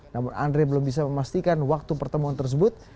namun andre belum bisa memastikan waktu pertemuan tersebut